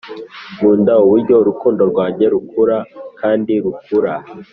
nkunda uburyo urukundo rwanjye rukura kandi rukura